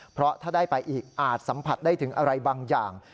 เพราะถ้าได้ไปอีกอาจสัมผัสได้ถึงอะไรบางอย่าง